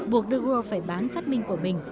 buộc de waal phải bán phát minh của mình